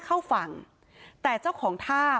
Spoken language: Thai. เข้าฝั่งแต่เจ้าของท่า